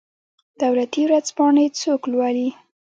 دولتي ورځپاڼې څوک لوالي؟